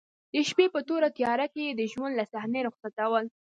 د شپې په توره تیاره کې به یې د ژوند له صحنې رخصتول.